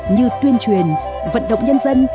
như tuyên truyền vận động nhân dân